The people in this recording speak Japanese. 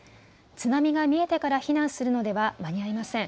津波が見えてから避難するのでは間に合いません。